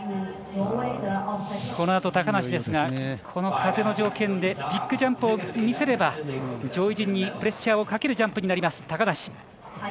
このあと高梨ですがこの風の条件でビッグジャンプを見せれば上位陣にプレッシャーをかけるジャンプになる、高梨。